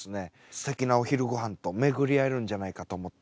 すてきなお昼ご飯と巡り合えるんじゃないかと思って。